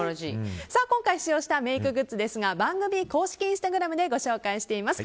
今回使用したメイクグッズですが番組公式インスタグラムでご紹介しています。